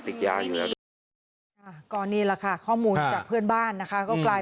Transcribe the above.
พ่อเขาไม่เคยคุยกับใครอยู่เช้าก็ขับ